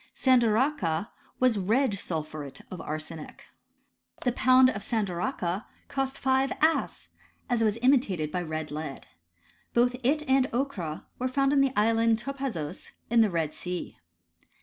Sandaracha was red sulphuret of arsenic. The pound of sandaracha cost 5 as. : it was imitated by red lead. Both it and ochra were found in the island Topazos in the Red Sea.